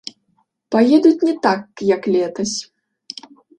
Паедуць не так як летась.